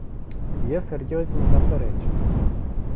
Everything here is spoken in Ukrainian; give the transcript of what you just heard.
Є серйозні заперечення.